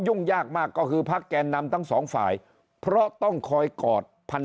ยากมากก็คือพักแกนนำทั้งสองฝ่ายเพราะต้องคอยกอดพัน